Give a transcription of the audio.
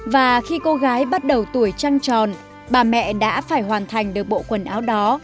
và khi cô gái bắt đầu tuổi trăng tròn bà mẹ đã phải hoàn thành được bộ quần áo đó